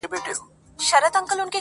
نن دې تصوير زما پر ژړا باندې راوښويدی~